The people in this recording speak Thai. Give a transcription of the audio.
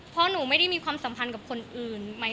เพราะหนูไม่ได้มีความสัมพันธ์กับคนอื่น